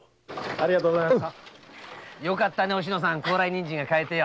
ありがとうございます。